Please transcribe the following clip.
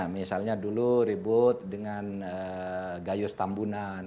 misalnya dulu ribut dengan gayus tambunan